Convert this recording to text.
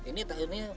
ini pemukiman semua ya